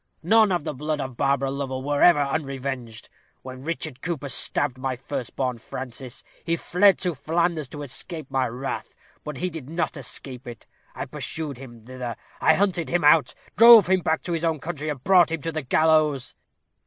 None of the blood of Barbara Lovel were ever unrevenged. When Richard Cooper stabbed my first born, Francis, he fled to Flanders to escape my wrath. But he did not escape it. I pursued him thither. I hunted him out; drove him back to his own country, and brought him to the gallows.